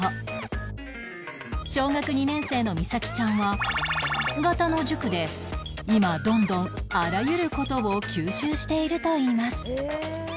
小学２年生の美紗姫ちゃんは型の塾で今どんどんあらゆる事を吸収しているといいます